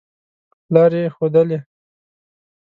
لاري ښودلې.